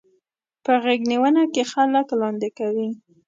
په غېږنيونه کې خلک لاندې کوي.